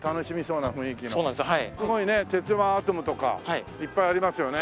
すごいね鉄腕アトムとかいっぱいありますよね。